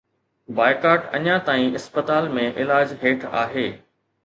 Boycott اڃا تائين اسپتال ۾ علاج هيٺ آهي.